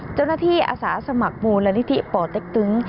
เจ้าหน้าที่อสสมัครมูลและนิธิป่อเต็กตึง